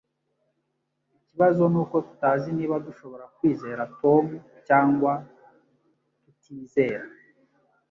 Ikibazo nuko tutazi niba dushobora kwizera Tom cyangwa tutizera